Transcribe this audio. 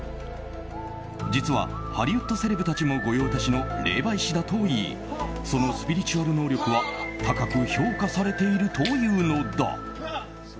実は、ハリウッドセレブたちも御用達の霊媒師だといいそのスピリチュアル能力は高く評価されているというのだ。